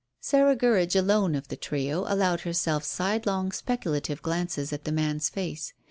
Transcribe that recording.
Sarah Gurridge alone of the trio allowed herself sidelong, speculative glances at the man's face.